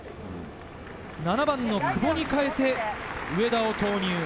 ７番・久保に代えて上田を投入。